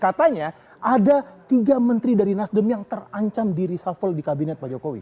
katanya ada tiga menteri dari nasdem yang terancam di reshuffle di kabinet pak jokowi